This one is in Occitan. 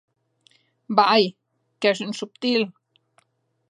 Vai!, qu'ès un subtil!